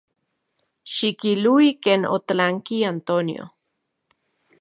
Xikilui ken otlanki Antonio.